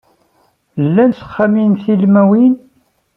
Llant texxamin tilmawin?